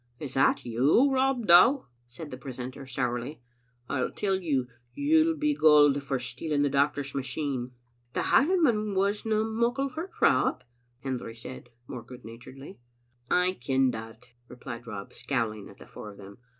" Is that you, Rob Dow?" said the precentor sourly. " I tell you, you'll be gaoled for stealing the doctor's machine." " The Hielandman wasna muckle hurt, Rob," Hendry said, more good naturedly. "I ken that," replied Rob, scowling at the four of them.